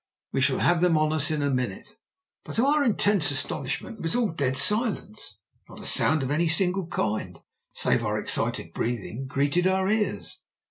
"We shall have them on us in a minute." But to our intense astonishment it was all dead silence. Not a sound of any single kind, save our excited breathing, greeted our ears.